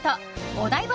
お台場